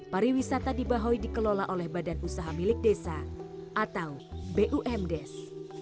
pariwisata di bahoi dikelola oleh badan usaha milik desa atau bumdes